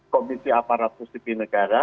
komisi aparatus sibi negara